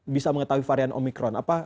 bisa mengetahui varian omikron